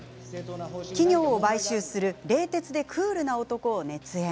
企業を買収する冷徹でクールな男を熱演。